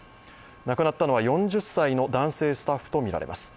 亡くなったのは４０歳の男性スタッフとみられます。